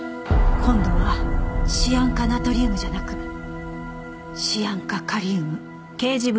今度はシアン化ナトリウムじゃなくシアン化カリウム。